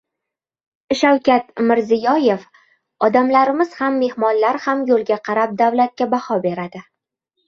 Shavkat Mirziyoyev: Odamlarimiz ham, mehmonlar ham yo‘lga qarab davlatga baho beradi